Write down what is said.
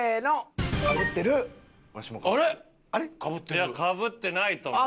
いやかぶってないと思う。